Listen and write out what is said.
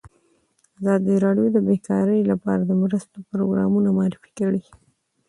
ازادي راډیو د بیکاري لپاره د مرستو پروګرامونه معرفي کړي.